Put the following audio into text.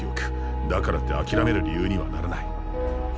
だからってあきらめる理由にはならない。